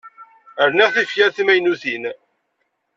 Rniɣ tifyar timaynutin.